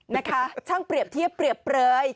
นะคะช่างเปรียบเทียบเปรียบเปลย